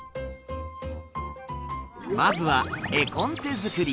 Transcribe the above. まずは絵コンテ作り。